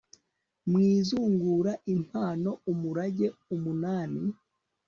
mu izungura impano umurage umunani